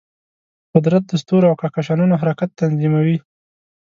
قدرت د ستورو او کهکشانونو حرکت تنظیموي.